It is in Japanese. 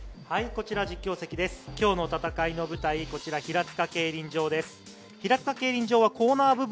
今日の戦いの舞台、こちら平塚競輪場です。